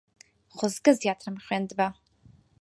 خۆزگە زیاترم خوێندبا.